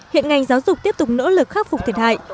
hiện ngành giáo dục tiếp tục nỗ lực khắc phục thiệt hại